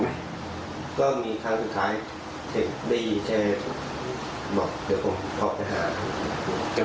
ก็มีครั้งสุดท้ายได้ยินแค่บอกเดี๋ยวผมขอไปหา